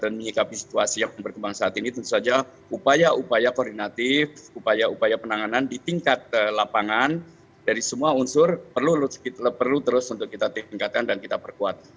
menyikapi situasi yang berkembang saat ini tentu saja upaya upaya koordinatif upaya upaya penanganan di tingkat lapangan dari semua unsur perlu terus untuk kita tingkatkan dan kita perkuat